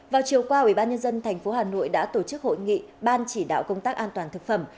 vào chiều qua ủy ban nhân dân tp hà nội đã tổ chức hội nghị ban chỉ đạo công tác an toàn thực phẩm